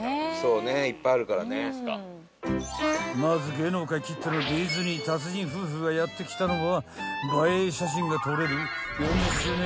［まず芸能界きってのディズニー達人夫婦がやって来たのは］